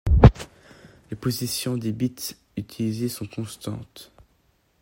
Les positions des bits utilisés sont constantes.